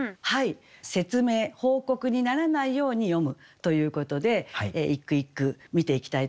説明報告にならないように詠むということで一句一句見ていきたいと思いますね。